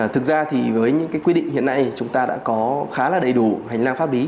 thực ra thì với những quy định hiện nay chúng ta đã có khá là đầy đủ hành lang pháp lý